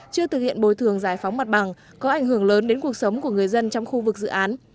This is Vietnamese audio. chưa thực hiện bồi thường giải phóng mặt bằng có ảnh hưởng lớn đến cuộc sống của người dân trong khu vực dự án